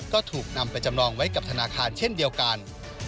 ก็ถูกนำไปจำนองไว้กับธนาคารเช่นเดียวกัน